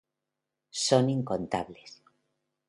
Son incontables.